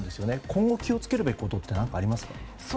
今後気を付けるべきことって何かありますか？